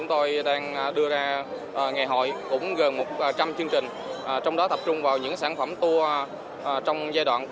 ở tại địa phương